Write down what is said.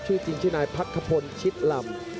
ชื่อจริงชื่อนายพักขพลชิดลำ